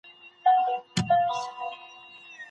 د وړانګو په مټ د تورو لوستل اسان دي.